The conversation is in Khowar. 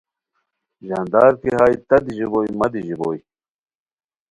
ژاندار کی ہائے تہ دی ژیبوئے مہ دی ژیبوئے،